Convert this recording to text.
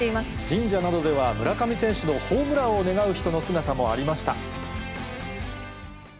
神社などでは村上選手のホームランを願う人の姿もありました。